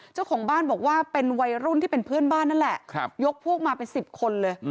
เจ้าของบ้านบอกว่าเป็นวัยรุ่นที่เป็นเพื่อนบ้านนั่นแหละยกพวกมาเป็น๑๐คนเลย